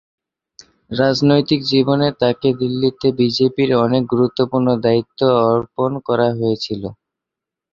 রাজনৈতিক জীবনে তাঁকে দিল্লিতে বিজেপির অনেক গুরুত্বপূর্ণ দায়িত্ব অর্পণ করা হয়েছিল।